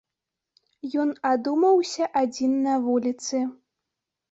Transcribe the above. Ён адумаўся адзін на вуліцы.